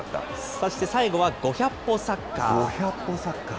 そして最後は５００歩サッカー。